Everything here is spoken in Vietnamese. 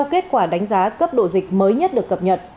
kết quả đánh giá cấp độ dịch mới nhất được cập nhật